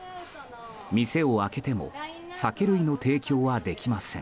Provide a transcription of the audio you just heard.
店を開けても酒類の提供はできません。